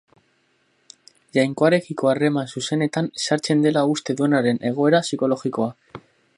Jainkoarekiko harreman zuzenetan sartzen dela uste duenaren egoera psikologikoa.